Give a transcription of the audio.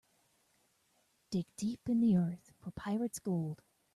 Dig deep in the earth for pirate's gold.